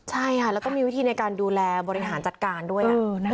ใช่ค่ะแล้วก็มีวิธีในการดูแลบริหารจัดการด้วย